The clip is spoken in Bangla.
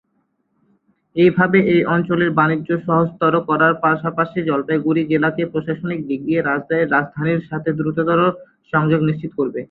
এইভাবে এই অঞ্চলের বাণিজ্য সহজতর করার পাশাপাশি জলপাইগুড়ি জেলাকে প্রশাসনিক দিক দিয়ে রাজ্যের রাজধানীর সাথে দ্রুততর সংযোগ নিশ্চিত করবে।